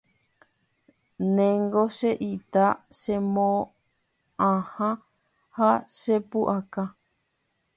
ndéngo che ita, che mo'ãha ha che pu'aka